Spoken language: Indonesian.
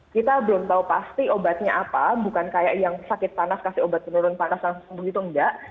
kita belum tahu pasti obatnya apa bukan kayak yang sakit panas kasih obat penurun panas langsung sembuh gitu enggak